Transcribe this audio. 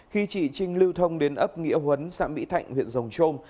khi chị trinh lưu thông đến ấp nghĩa huấn xã mỹ thạnh huyện rồng trôm